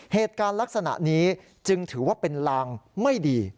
เหตุการณ์ลักษณะนี้จึงถือว่าเป็นลางไม่ดี